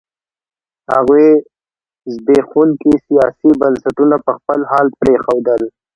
هغوی زبېښونکي سیاسي بنسټونه په خپل حال پرېښودل.